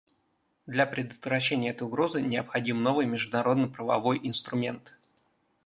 Для предотвращения этой угрозы необходим новый международно-правовой инструмент.